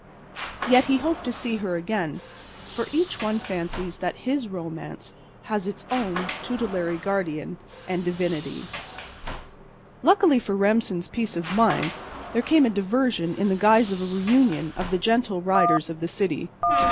Yet he hoped to see her again; for each one fancies that his romance has its own tutelary guardian and divinity. Luckily for Remsen's peace of mind there came a diversion in the guise of a reunion of the Gentle Riders of the city.